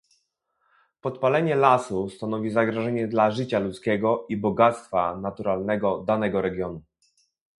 Podpalenie lasu stanowi zagrożenie dla życia ludzkiego i bogactwa naturalnego danego regionu